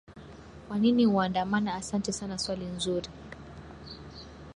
kwa nini uandamana asante sana swali nzuri